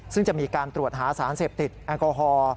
ซึ่งจะมีการตรวจหาสารเสพติดแอลกอฮอล์